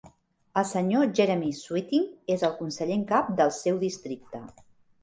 El sr. Jeremy Sweeting és el conseller en cap del seu districte.